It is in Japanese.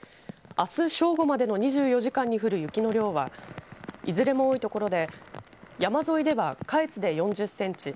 あす、正午までの２４時間に降る雪の量はいずれも多い所で山沿いでは下越で４０センチ。